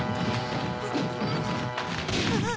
あっ！